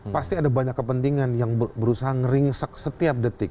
pasti ada banyak kepentingan yang berusaha ngeringsek setiap detik